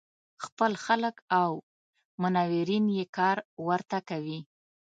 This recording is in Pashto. خپل خلک او منورین یې کار ورته کوي.